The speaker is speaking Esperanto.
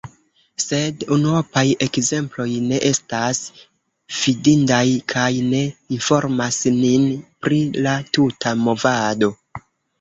Sed unuopaj ekzemploj ne estas fidindaj kaj ne informas nin pri la tuta movado.